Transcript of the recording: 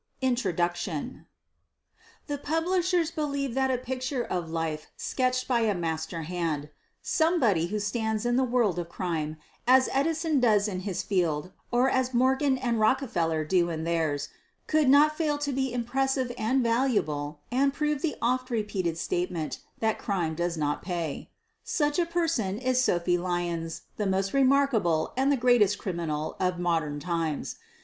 250 INTRODUCTION The publishers believe that a picture of life sketched by a master hand — somebody who stands in the world of crime as Edison does in his field or as Morgan and Rockefeller do in theirs — could not fail to be impressive and valuable and prove the oft repeated statement that crime does not pay. Such a person is Sophie Lyons, the most remark able and the greatest criminal of modern times.